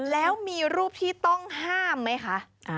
แล้วมีรูปที่ต้องห้ามไหมคะ